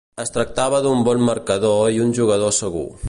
Es tractava d'un bon marcador i un jugador segur.